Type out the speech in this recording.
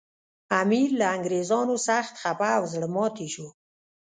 امیر له انګریزانو سخت خپه او زړه ماتي شو.